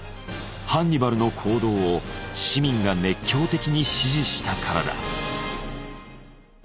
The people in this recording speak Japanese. ハンニバルの行動を市民が熱狂的に支持したからだ。